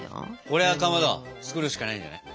これはかまど作るしかないんじゃない？